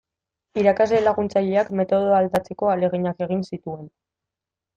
Irakasle laguntzaileak metodoa aldatzeko ahaleginak egin zituen.